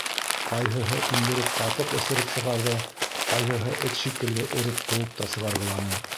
Ҡайһыһы индереп ҡатыҡ эсереп сығарҙы, ҡайһыһы эт шикелле өрөп ҡыуып та сығарғыланы.